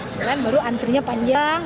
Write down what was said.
sembilan baru antrinya panjang